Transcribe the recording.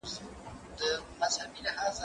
زه به سبا ځواب ليکم؟